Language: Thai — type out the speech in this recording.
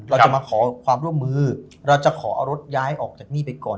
เราจะมาขอความร่วมมือเราจะขอเอารถย้ายออกจากนี่ไปก่อน